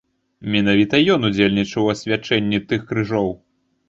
Менавіта ён удзельнічаў у асвячэнні тых крыжоў.